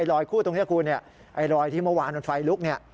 รอยคูดตรงนี้คุณรอยที่เมื่อวานวันไฟลุก